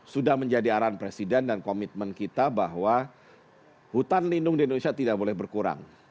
sudah menjadi arahan presiden dan komitmen kita bahwa hutan lindung di indonesia tidak boleh berkurang